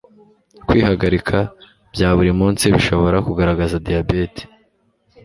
Kwihagarika byaburi munsi bishobora kugaragaza diabete